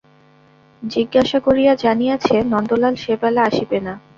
জিজ্ঞাসা করিয়া জানিয়াছে, নন্দলাল সে বেলা আসিবে না।